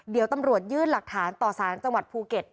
เดี๋ยวตำรวจยื่นหลักฐานต่อสารจังหวัดภูเก็ต